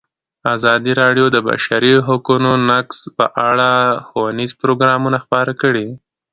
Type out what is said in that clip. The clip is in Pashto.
ازادي راډیو د د بشري حقونو نقض په اړه ښوونیز پروګرامونه خپاره کړي.